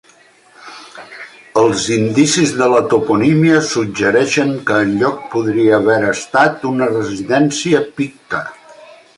Els indicis de la toponímia suggereixen que el lloc podria haver estat una residència picta.